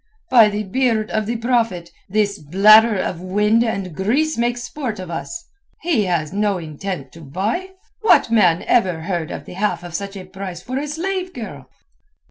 "By the beard of the Prophet, this bladder of wind and grease makes sport of us. He has no intent to buy. What man ever heard of the half of such a price for a slave girl?"